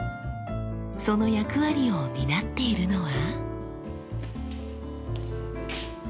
その役割を担っているのは。